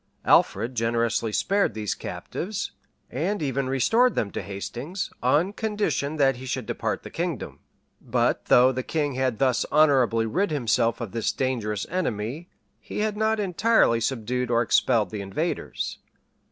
[*] Alfred generously spared these captives, and even restored them to Hastings,[] on condition that he should depart the kingdom. [* Chron. Sax. p. 94. M. West. w 178.] [ M. West, p. 179.] But though the king had thus honorably rid himself of this dangerous enemy, he had not entirely subdued or expelled the invaders.